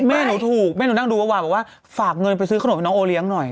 แม่หนูถูกเม่นธ์หนูนั่งดูฝากเงินไปซื้อขนมให้น้องโอเลียงหน่อย